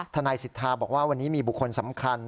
ทนายสิทธาบอกว่าวันนี้มีบุคคลสำคัญ